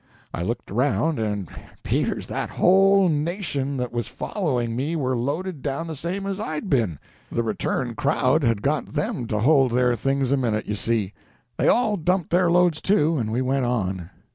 I looked around, and, Peters, that whole nation that was following me were loaded down the same as I'd been. The return crowd had got them to hold their things a minute, you see. They all dumped their loads, too, and we went on.